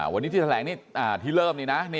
วันนี้ที่แถลงนี่ที่เริ่มนี่นะ